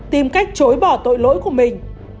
tìm cách chối bỏ tội lỗi của mình